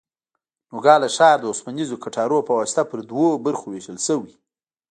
نوګالس ښار د اوسپنیزو کټارو په واسطه پر دوو برخو وېشل شوی.